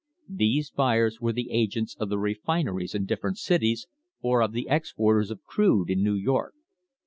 These buyers were the agents of the refin eries in different cities, or of the exporters of crude in New York.